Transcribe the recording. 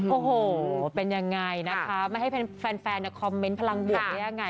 โอ้โหเป็นยังไงนะคะไม่ให้แฟนคอมเมนต์พลังบวกได้ยังไง